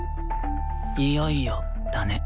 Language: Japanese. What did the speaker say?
いよいよだね。